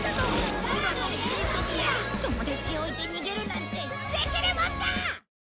友達を置いて逃げるなんてできるもんか！